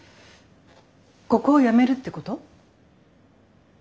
ここを辞めるってこと？